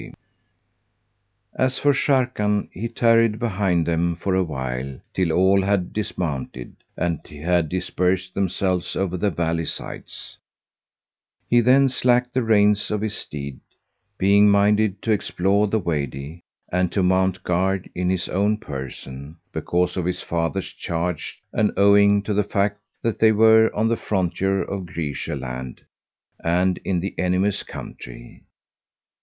[FN#159] As for Sharrkan, he tarried behind them for awhile till all had dismounted and had dispersed themselves over the valley sides; he then slacked the reins of his steed, being minded to explore the Wady and to mount guard in his own person, because of his father's charge and owing to the fact that they were on the frontier of Græcia land and in the enemy's country.